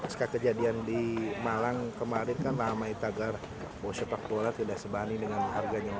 setelah kejadian di malang kemarin kan ramai tagar bahwa sepak bola tidak sebanding dengan harganya